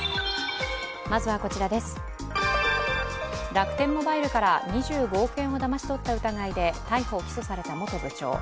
楽天モバイルから２５億円をだまし取った疑いで逮捕・起訴された元部長。